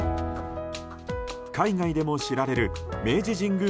海外でも知られる明治神宮